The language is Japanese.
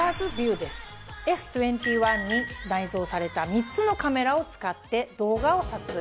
Ｓ２１に内蔵された３つのカメラを使って動画を撮影。